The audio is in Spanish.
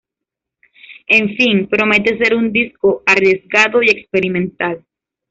En fin, promete ser un disco arriesgado y experimental.